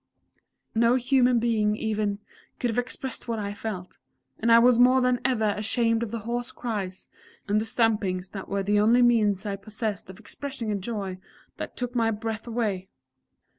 no human being, even, could have expressed what I felt, and I was more than ever ashamed of the hoarse cries, and the stampings that were the only means I possessed of expressing a joy that took my breath away.